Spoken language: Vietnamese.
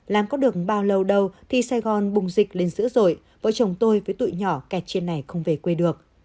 làm có được bao lâu đâu thì sài gòn bùng dịch lên giữa rồi vợ chồng tôi với tụi nhỏ kẹt trên này không về quê được